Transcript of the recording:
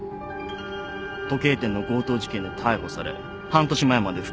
時計店の強盗事件で逮捕され半年前まで服役してました。